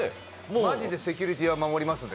マジでセキュリティーは守りますんで。